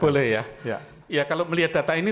boleh ya kalau melihat data ini